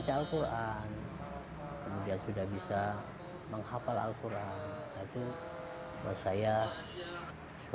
baca alquran kemudian sudah bisa menghafal alquran itu saya suatu kebanggaan yang tersendiri